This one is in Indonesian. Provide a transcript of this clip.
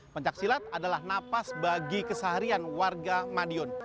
pencaksilat adalah napas bagi keseharian warga madiun